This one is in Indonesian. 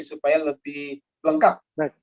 supaya lebih lengkap